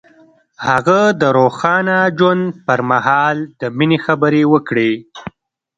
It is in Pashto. هغه د روښانه ژوند پر مهال د مینې خبرې وکړې.